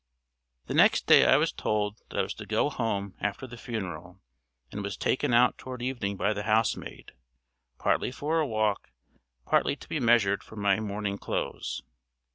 The next day I was told that I was to go home after the funeral, and was taken out toward evening by the housemaid, partly for a walk, partly to be measured for my mourning clothes.